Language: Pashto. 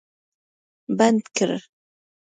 بند کړ